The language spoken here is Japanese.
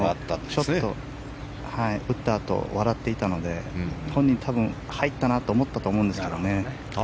ちょっと、打ったあと笑っていたので本人、多分、入ったなと思ったと思うんですけどね。